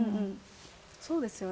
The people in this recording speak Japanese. そうですよね。